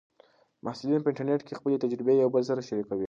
محصلین په انټرنیټ کې خپلې تجربې یو بل سره شریکوي.